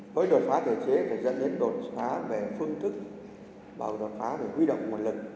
với đột phá thể chế thì dẫn đến đột phá về phương thức đột phá về quy động nguồn lực